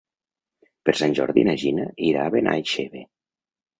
Per Sant Jordi na Gina irà a Benaixeve.